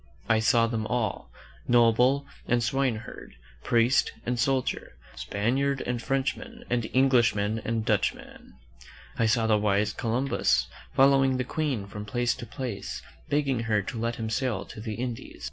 I saw them all — noble and swine herd, priest and soldier, Spaniard and French man, and Englishman and Dutchman, I saw the wise Columbus following the Queen from place to place, begging her to let him sail to the Indies.